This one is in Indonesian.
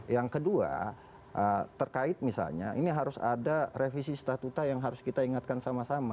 yang kedua terkait misalnya ini harus ada revisi statuta yang harus kita ingatkan sama sama